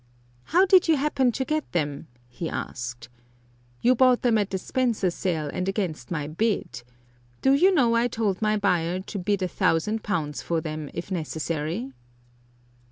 "How did you happen to get them?" he asked. "You bought them at the Spencer sale and against my bid. Do you know, I told my buyer to bid a thousand pounds for them, if necessary!"